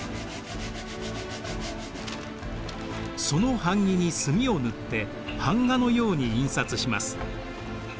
その版木に墨を塗って版画のように印刷します。